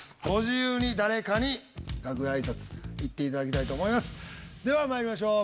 ご自由に誰かに楽屋挨拶行っていただきたいと思います。